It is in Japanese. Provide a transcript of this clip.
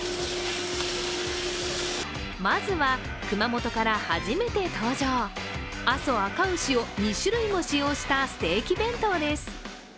まずは熊本から初めて登場、阿蘇あか牛を２種類も使用したステーキ弁当です。